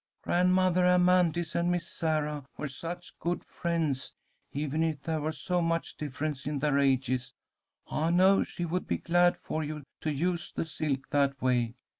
"Grandmothah Amanthis and Miss Sarah were such good friends, even if there was so much difference in their ages. I know she would be glad for you to use the silk that way.